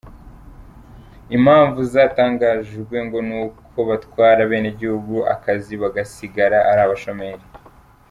Impamvu zatangajwe ngo ni uko batwara abenegihugu akazi bagasigara ari abashomeri.